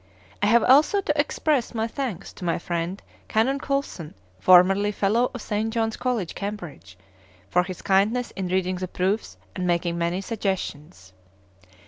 I have also to express my thanks to my friend Canon Colson, formerly Fellow of St John s College, Cambridge, for his kindness in reading the proofs and making many suggestions.